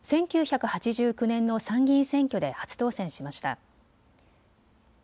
１９８９年の参議院選挙で初当選しました。